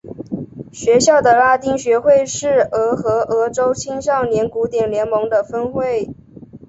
学校的拉丁学会是俄亥俄州青少年古典联盟的分会。